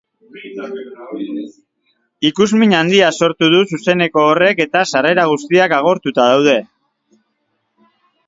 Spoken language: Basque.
Ikusmin handia sortu du zuzeneko horrek eta sarrera guztiak agortuta daude.